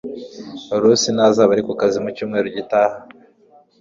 Lusi ntazaba ari kukazi mucyumweru gitaha